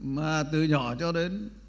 mà từ nhỏ cho đến